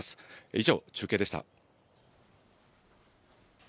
以上、中継でした。